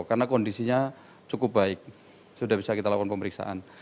karena kondisinya cukup baik sudah bisa kita lakukan pemeriksaan